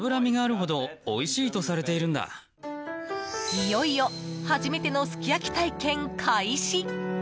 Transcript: いよいよ初めてのすき焼き体験開始。